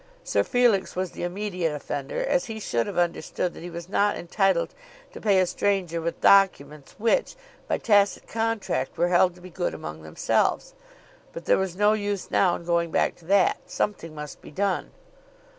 Sir Felix was the immediate offender, as he should have understood that he was not entitled to pay a stranger with documents which, by tacit contract, were held to be good among themselves. But there was no use now in going back to that. Something must be done.